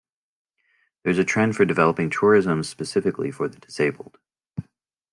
There is a trend for developing tourism specifically for the disabled.